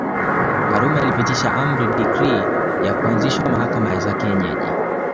Karume alipitisha amri decree ya kuanzishwa mahakama za kienyeji